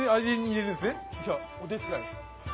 じゃあお手伝い。